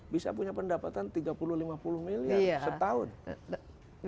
bisa punya pendapatan tiga puluh lima puluh miliar setahun